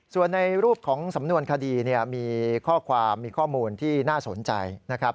ส่วนในรูปของสำนวนคดีมีข้อความมีข้อมูลที่น่าสนใจนะครับ